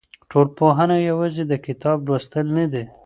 ټولنپوهنه یوازې د کتاب لوستل نه دي.